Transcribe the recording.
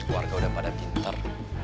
warga udah pada pinter